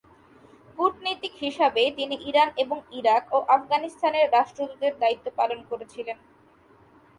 কূটনীতিক হিসাবে তিনি ইরান এবং ইরাক ও আফগানিস্তানের রাষ্ট্রদূতের দায়িত্ব পালন করেছিলেন।